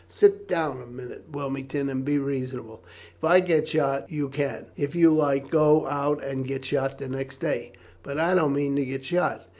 "Sit down a minute, Wilmington, and be reasonable. If I get shot you can, if you like, go out and get shot next day. But I don't mean to get shot.